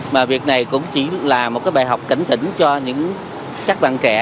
mà việc này cũng chỉ là một cái bài học cảnh tỉnh cho những các bạn trẻ